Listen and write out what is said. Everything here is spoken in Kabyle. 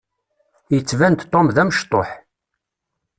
Yettban-d Tom d amecṭuḥ.